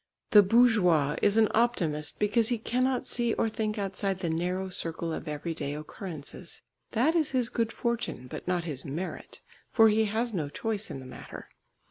The bourgeois is an optimist because he cannot see or think outside the narrow circle of everyday occurrences. That is his good fortune, but not his merit, for he has no choice in the matter.